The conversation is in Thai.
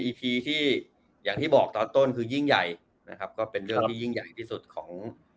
พีที่อย่างที่บอกตอนต้นคือยิ่งใหญ่นะครับก็เป็นเรื่องที่ยิ่งใหญ่ที่สุดของ